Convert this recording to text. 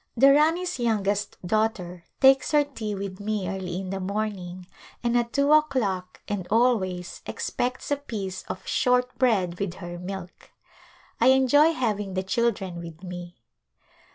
The Rani's youngest daughter takes her tea with [ 234] A Visit to Besau me early in the morning and at two o'clock and always expects a piece of short bread with her milk. I en joy having the children with me.